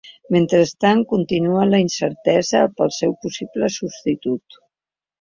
Mentrestant, continua la incertesa pel seu possible substitut.